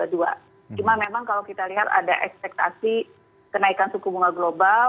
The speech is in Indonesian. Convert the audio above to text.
cuma memang kalau kita lihat ada ekspektasi kenaikan suku bunga global